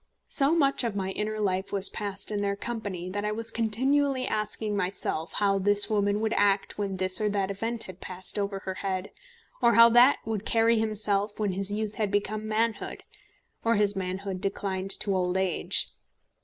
So much of my inner life was passed in their company, that I was continually asking myself how this woman would act when this or that event had passed over her head, or how that man would carry himself when his youth had become manhood, or his manhood declined to old age.